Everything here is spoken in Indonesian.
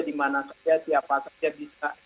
dimana saja siapa saja bisa